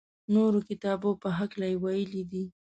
نورو کتابو په هکله یې ویلي دي.